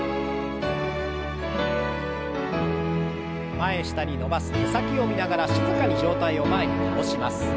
前下に伸ばす手先を見ながら静かに上体を前に倒します。